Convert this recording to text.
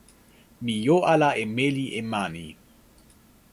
mi jo ala e meli e mani.